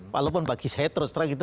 walaupun bagi saya terus terang gitu